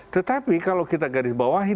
tetapi kalau kita garis bawahi